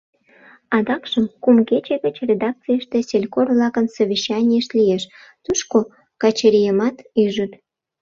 Адакшым кум кече гыч редакцийыште селькор-влакын совещанийышт лиеш, тушко Качырийымат ӱжыт.